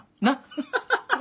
ハハハハハ。